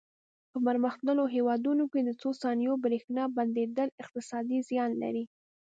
په پرمختللو هېوادونو کې د څو ثانیو برېښنا بندېدل اقتصادي زیان لري.